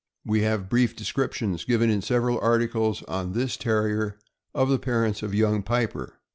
We have brief descriptions, given in several articles on this Terrier, of the parents of Young Piper.